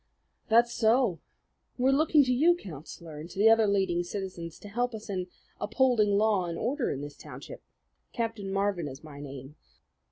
"That's so. We're looking to you, Councillor, and to the other leading citizens, to help us in upholding law and order in this township. Captain Marvin is my name."